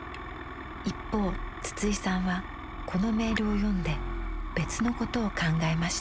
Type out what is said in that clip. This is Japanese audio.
一方筒井さんはこのメールを読んで別のことを考えました。